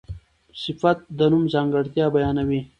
صفت د نوم ځانګړتیا بیانوي.